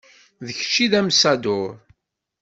D kečč ay d amsadur.